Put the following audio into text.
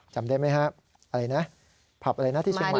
จำได้ไหมฮะอะไรนะผับอะไรนะที่เชียงใหม่